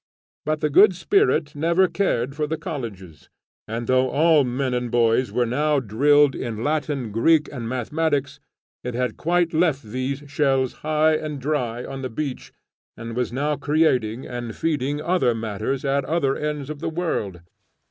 But the Good Spirit never cared for the colleges, and though all men and boys were now drilled in Latin, Greek, and Mathematics, it had quite left these shells high and dry on the beach, and was now creating and feeding other matters at other ends of the world.